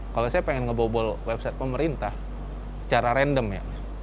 kalau saya pengen ngebobol website pemerintah secara random ya